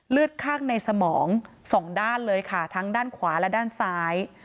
เลือดข้างในสมองสองด้านเลยค่ะทั้งด้านขวาและด้านซ้าย